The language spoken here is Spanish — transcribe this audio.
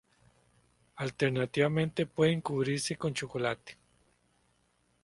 Alternativamente, pueden cubrirse con chocolate.